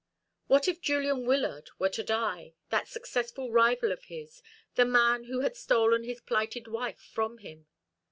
What if Julian Wyllard were to die, that successful rival of his, the man who had stolen his plighted wife from him?